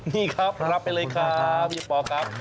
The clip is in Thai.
นี่ครับรับไปเลยครับพี่ปอครับ